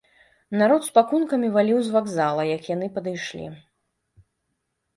Народ з пакункамі валіў з вакзала, як яны падышлі.